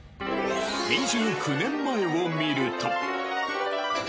２９年前を見ると。